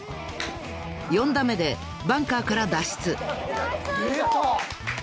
［４打目でバンカーから脱出］